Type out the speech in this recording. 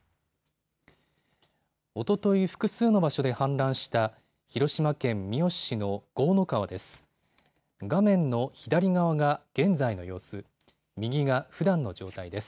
おととい、複数の場所で氾濫した広島県三次市の江の川です。